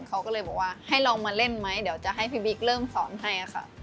เขาก็เลยบอกว่าให้ลองมาเล่นไหมเดี๋ยวจะให้พี่บิ๊กเริ่มสอนให้ค่ะ